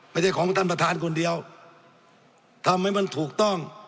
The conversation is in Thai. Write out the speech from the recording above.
ไม่ใช่ของท่านประธานคนเดียวทำให้มันถูกต้อง